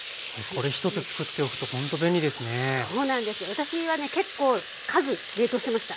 私はね結構数冷凍しました。